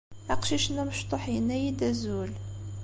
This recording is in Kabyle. Aqcic-nni amecṭuḥ yenna-iyi-d azul.